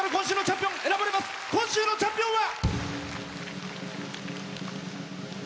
今週のチャンピオンは。